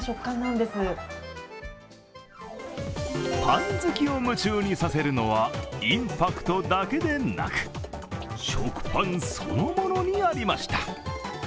パン好きを夢中にさせるのはインパクトだけでなく、食パンそのものにありました。